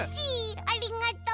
ありがとう。